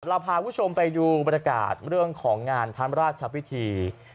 เราพาคุณผู้ชมไปดูบรรยากาศเรื่องของงานพระราชพิธี